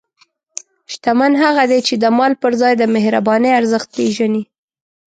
شتمن هغه دی چې د مال پر ځای د مهربانۍ ارزښت پېژني.